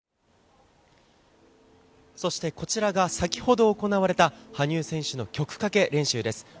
そしてこちらが先ほど行われた羽生選手の曲かけ練習です。